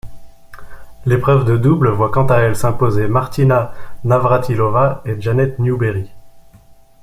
L'épreuve de double voit quant à elle s'imposer Martina Navrátilová et Janet Newberry.